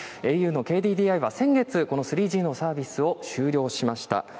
ａｕのＫＤＤＩは、先月、この３Ｇのサービスを終了しました。